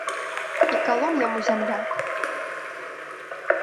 І калом яму зямля.